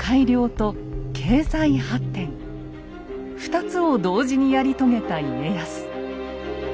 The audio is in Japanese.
２つを同時にやり遂げた家康。